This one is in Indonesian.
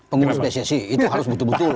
pengguna pcc itu harus betul betul